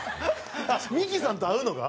あっミキさんと会うのが？